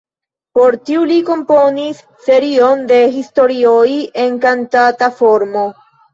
Por tiu li komponis serion de historioj en kantata formo.